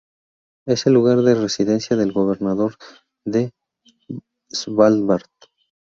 Es el lugar de residencia del Gobernador de Svalbard.